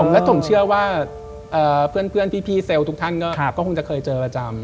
และผมเชื่อว่าเพื่อนพี่เซลล์ทุกท่านก็คงจะเคยเจอประจำ